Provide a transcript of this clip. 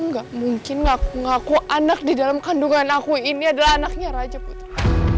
nggak mungkin ngaku ngaku anak di dalam kandungan aku ini adalah anaknya raja putra